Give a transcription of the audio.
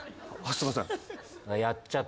すいません。